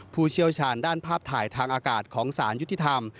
ผู้เชี่ยวชาญด้านภาพถ่ายทางอากาศของสารยุติธรรม